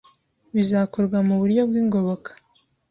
bizakorwa mu buryo bw’ingoboka